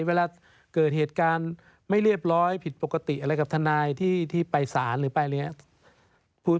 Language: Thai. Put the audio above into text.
เวลาเกิดเหตุการณ์ไม่เรียบร้อยผิดปกติอะไรกับทนายที่ไปสารหรือไปอะไรอย่างนี้